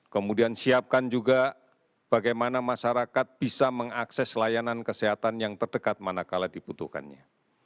kemudian siapkan juga bagaimana masyarakat bisa mengakses layanan kesehatan yang terdekat manakala dibutuhkannya